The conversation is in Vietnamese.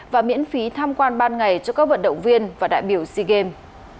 và miễn phí tham quan ban ngày cho các vận động viên và đại biểu sea games